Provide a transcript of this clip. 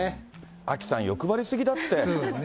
アキさん、欲張りすぎだって。